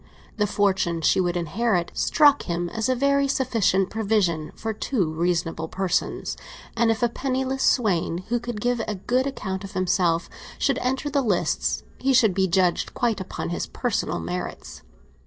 The fortune she would inherit struck him as a very sufficient provision for two reasonable persons, and if a penniless swain who could give a good account of himself should enter the lists, he should be judged quite upon his personal merits.